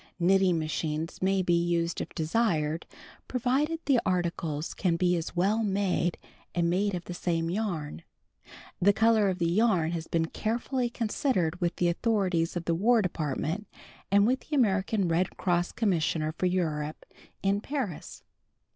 Knitting machines may be used if desired, provided the articles can be as well made and made of the same yarn. The color of the yarn has been carefully considered with the authorities of the War Department and with the American Red Cross Commissioner for Europe, in Paris.